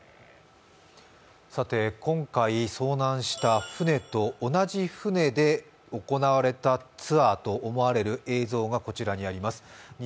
今回、遭難した船と同じ船で行われたツアーと思われる映像がこちらにあります。